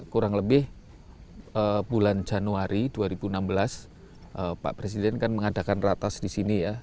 kurang lebih bulan januari dua ribu enam belas pak presiden kan mengadakan ratas di sini ya